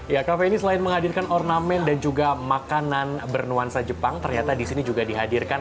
ya kafe ini selain menghadirkan ornamen dan juga makanan bernuansa jepang ternyata disini juga dihadirkan